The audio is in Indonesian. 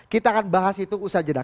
kita akan bahas itu usaha jeda